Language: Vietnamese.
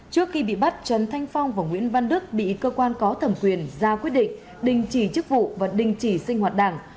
trước khi bị bắt trần thanh phong và nguyễn văn đức bị cơ quan có thẩm quyền ra quyết định đình chỉ chức vụ và đình chỉ sinh hoạt đảng